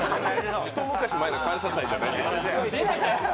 一昔前の「感謝祭」じゃないんです。